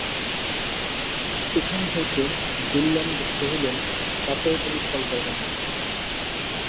পিছন হইতে বিল্বন কহিলেন, তাতেও কোনো ফল হবে না।